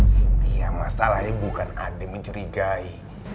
cynthia masalahnya bukan adik mencurigai